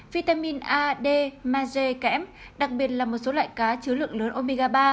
vitamin a d magé kém đặc biệt là một số loại cá chứa lượng lớn omega ba